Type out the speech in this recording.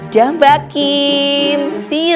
dan mbak kim see you